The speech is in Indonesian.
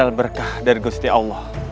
hal berkah dari gusti allah